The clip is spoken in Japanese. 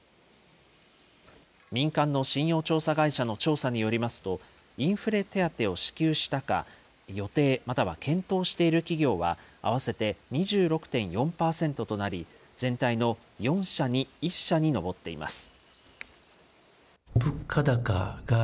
民間の信用調査会社の調査によりますと、インフレ手当を支給したか、予定、または検討している企業は、合わせて２６．４％となり、全体の４社に１社に上っています。